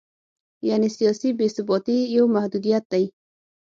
یعنې سیاسي بې ثباتي یو محدودیت دی.